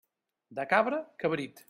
De cabra, cabrit.